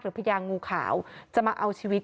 พญางูขาวจะมาเอาชีวิต